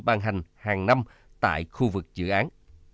ban hành hàng năm tại khu vực dự án